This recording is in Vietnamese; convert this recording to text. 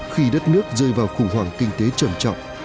khi đất nước rơi vào khủng hoảng kinh tế trầm trọng